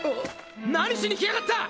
何しに来やがった！